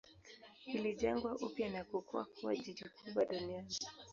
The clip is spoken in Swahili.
Ilijengwa upya na kukua kuwa jiji kubwa duniani.